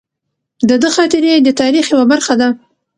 د ده خاطرې د تاریخ یوه برخه ده.